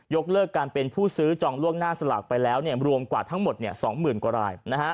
เลิกการเป็นผู้ซื้อจองล่วงหน้าสลากไปแล้วรวมกว่าทั้งหมด๒๐๐๐กว่าราย